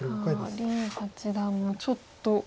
さあ林八段もちょっと。